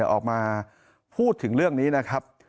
ออกมาพูดถึงเรื่องนี้นะครับ